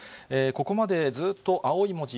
ここまでずっと青い文字、